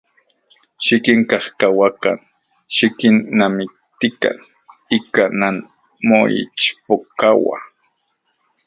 Xikinkajkauakan, xikinnamiktikan ika nanmoichpokauan.